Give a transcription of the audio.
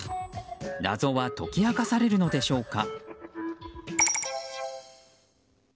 謎は解き明かされるのでしょうか。